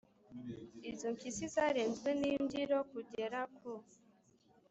izo mpyisi zarenzwe n’imbyiro kugera ku